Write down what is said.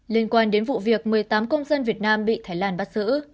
liên quan đến vụ việc một mươi tám công dân việt nam bị thái lan bắt giữ